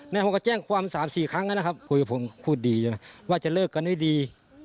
น้องก็แจ้งความศาลสี่ครั้งกันครับพูดดีให้ไงว่าจะเลิกกันให้ดี